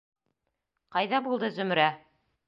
— Ҡайҙа булды Зөмрә?